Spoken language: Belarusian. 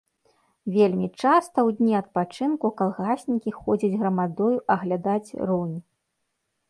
Вельмі часта ў дні адпачынку калгаснікі ходзяць грамадою аглядаць рунь.